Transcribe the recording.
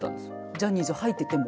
ジャニーズ入ってても？